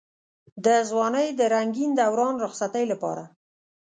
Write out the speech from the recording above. د ځوانۍ د رنګين دوران رخصتۍ لپاره.